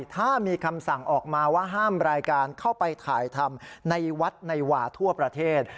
ถ้ามีคำสั่งออกมาว่าห้ามรายการเข้าไปถ่ายทำในวัดในวาทั่วประเทศ